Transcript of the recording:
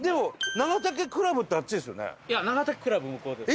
長竹クラブ向こうです。